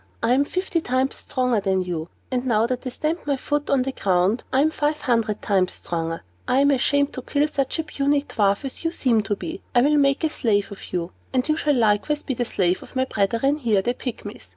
"I am fifty times stronger than you; and now that I stamp my foot upon the ground, I am five hundred times stronger! I am ashamed to kill such a puny little dwarf as you seem to be. I will make a slave of you, and you shall likewise be the slave of my brethren here, the Pygmies.